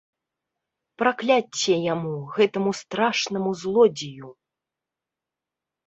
Пракляцце яму, гэтаму страшнаму злодзею!